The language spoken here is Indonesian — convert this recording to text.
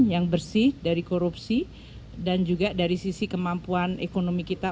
yang bersih dari korupsi dan juga dari sisi kemampuan ekonomi kita